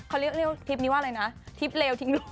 เขาเรียกว่าทริปนี้ว่าอะไรนะทริปเลวทิ้งลึก